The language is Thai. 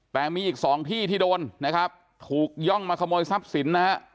แต่มีอีก๒ที่ที่โดนถูกย่องมาขโมยทรัพย์สินนะฮะ